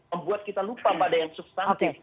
membuat kita lupa pada yang substantif